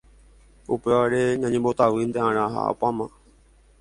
upévare ñañembotavýnte'arã ha opáma